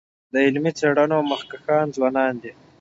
د علمي څيړنو مخکښان ځوانان دي.